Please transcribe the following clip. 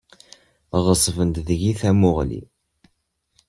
Ɣeṣben-d deg-i tamuɣli.